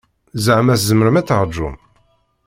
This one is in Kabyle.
Zeɛma tzemrem ad taṛǧum?